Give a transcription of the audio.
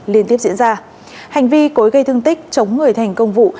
liên tiếp diễn ra hành vi cối gây thương tích chống người thành công vụ